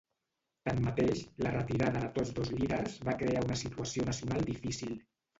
Tanmateix, la retirada de tots dos líders va crear una situació nacional difícil.